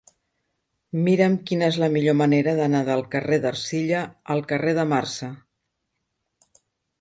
Mira'm quina és la millor manera d'anar del carrer d'Ercilla al carrer de Marçà.